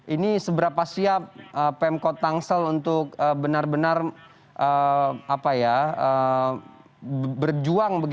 ini seberapa siap pemkot tangsel untuk benar benar berjuang